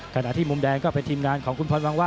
ขณะที่มุมแดงก็เป็นทีมงานของคุณพรวังวะ